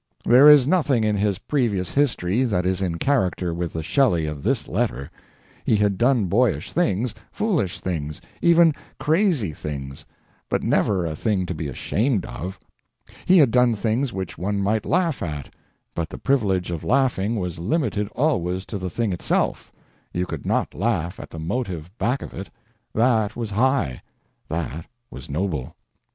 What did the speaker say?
There is nothing in his previous history that is in character with the Shelley of this letter. He had done boyish things, foolish things, even crazy things, but never a thing to be ashamed of. He had done things which one might laugh at, but the privilege of laughing was limited always to the thing itself; you could not laugh at the motive back of it that was high, that was noble.